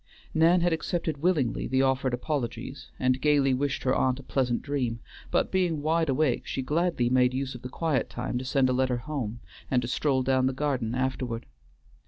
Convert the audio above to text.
Nan had accepted willingly the offered apologies and gayly wished her aunt a pleasant dream, but being wide awake she gladly made use of the quiet time to send a letter home, and to stroll down the garden afterward.